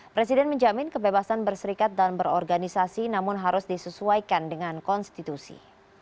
presiden menjamin kebebasan berserikat dan berorganisasi namun harus disesuaikan dengan konstitusi